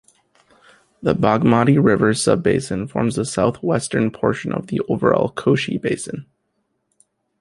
The Bagmati river sub-basin forms the south-western portion of the overall Koshi basin.